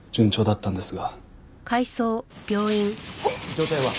状態は？